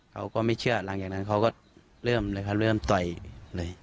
เขาก็ไม่เชื่อหลังจากนั้นเขาก็เริ่มเลยครับเริ่มต่อยเลย